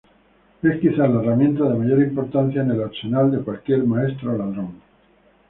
Es quizás la herramienta de mayor importancia en el arsenal de cualquier maestro ladrón.